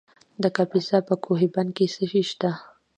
د کاپیسا په کوه بند کې څه شی شته؟